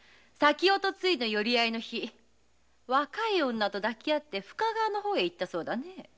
寄合いの日若い女と抱き合って深川の方へ行ったそうだね。